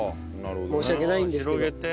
申し訳ないんですけど。